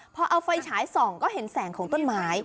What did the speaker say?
พอเอาไฟฉายส่องก็เห็นแสงของต้นไม้